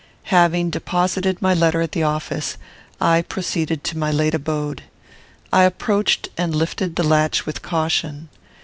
Having deposited my letter at the office, I proceeded to my late abode. I approached, and lifted the latch with caution.